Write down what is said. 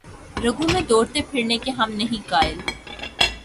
رگوں میں دوڑتے پھرنے کے ہم نہیں قائل